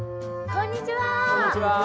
こんにちは。